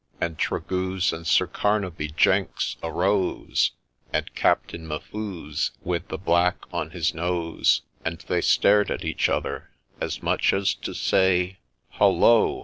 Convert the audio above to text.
And Tregooze and Sir Carnaby Jenks arose, And Captain M'Fuze, with the black on his nose : And they stared at each other, as much as to say 'Hollo!